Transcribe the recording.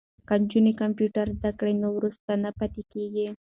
که نجونې کمپیوټر زده کړی نو وروسته نه پاتې کیږي.